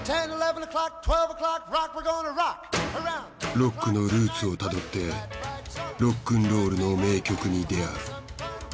ロックのルーツをたどってロックンロールの名曲に出会う。